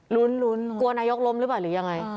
ลุ้นกลัวนายกล้มหรือเปล่าหรือยังไง